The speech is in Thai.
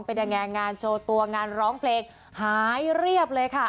เป็นยังไงงานโชว์ตัวงานร้องเพลงหายเรียบเลยค่ะ